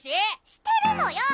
してるのよ！